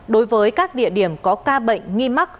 đối với các địa điểm có ca bệnh nghi mắc